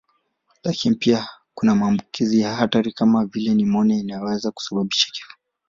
Lakini pia kuna maambukizi ya hatari kama vile nimonia inayoweza kusababisha kifo.